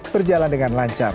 berjalan dengan lancar